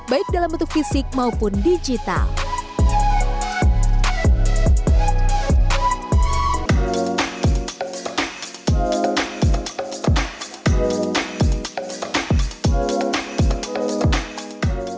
baik dalam bentuk fisik maupun digital